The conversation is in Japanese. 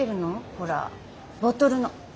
ほらボトルの。